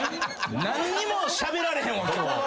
何にもしゃべられへんわ今日。